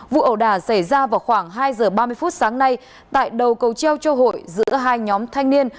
vụ ẩu đả xảy ra vào khoảng hai giờ ba mươi phút sáng nay tại đầu cầu treo cho hội giữa hai nhóm thanh niên